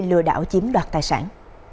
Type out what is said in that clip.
lừa đảo chiếm đoạt tài sản